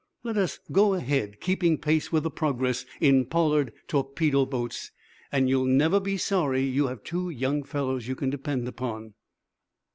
Let us go ahead, keeping pace with the progress in Pollard torpedo boats, and you will never be sorry you have two young fellows you can depend upon."